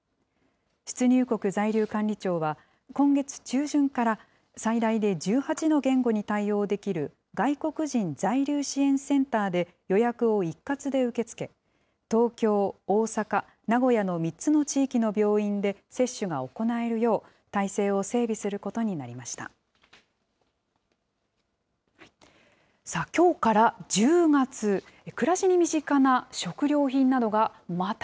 出入国在留管理庁は、今月中旬から最大で１８の言語に対応できる、外国人在留支援センターで予約を一括で受け付け、東京、大阪、名古屋の３つの地域の病院で接種が行えるよう、体制を整備することになりました。